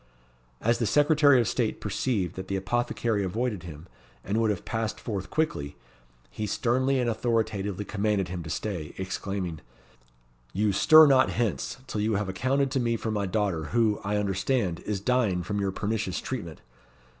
As the Secretary of State perceived that the apothecary avoided him, and would have passed forth quickly, he sternly and authoritatively commanded him to stay, exclaiming, "You stir not hence, till you have accounted to me for my daughter, who, I understand, is dying from your pernicious treatment.